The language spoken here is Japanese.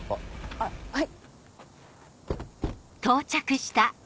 あっはい。